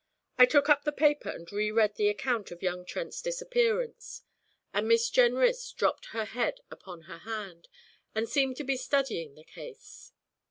I took up the paper and re read the account of young Trent's disappearance; and Miss Jenrys dropped her head upon her hand, and seemed to be studying the case.